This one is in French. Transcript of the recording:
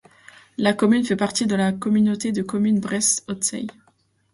La commune fait partie de la communauté de communes Bresse Haute Seille.